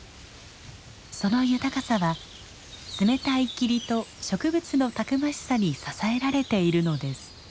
その豊かさは冷たい霧と植物のたくましさに支えられているのです。